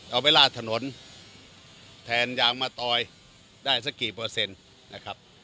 เอาไปลาดถนนแทนยางมะตอยได้สักกี่เปอร์เซ็นต์นะครับ